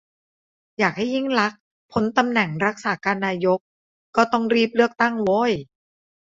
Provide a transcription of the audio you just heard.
อยากให้ยิ่งลักษณ์พ้นตำแหน่งรักษาการนายก ก็ต้องรีบเลือกตั้ง โว้ย